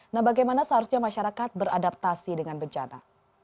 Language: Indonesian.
nah bagaimana seharusnya masyarakat beradaptasi dengan bencana